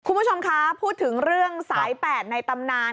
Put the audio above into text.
คุณผู้ชมคะพูดถึงเรื่องสาย๘ในตำนาน